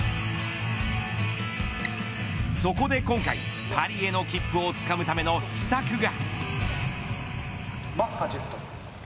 そこで今回、パリへの切符をつかむための秘策が。